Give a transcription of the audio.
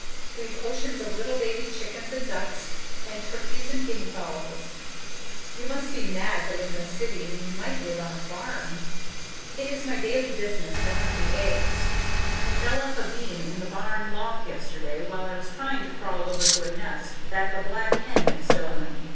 We've oceans of little baby chickens and ducks and turkeys and guinea fowls. You must be mad to live in a city when you might live on a farm. It is my daily business to hunt the eggs. I fell off a beam in the barn loft yesterday, while I was trying to crawl over to a nest that the black hen has stolen.